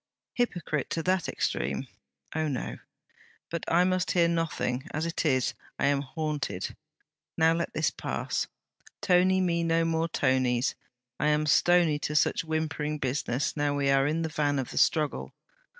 Hypocrite to that extreme? Oh, no! But I must hear nothing. As it is, I am haunted. Now let this pass. Tony me no Tonies; I am stony to such whimpering business now we are in the van of the struggle.